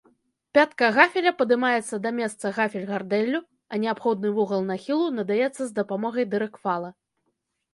Пятка гафеля падымаецца да месца гафель-гардэллю, а неабходны вугал нахілу надаецца з дапамогай дырык-фала.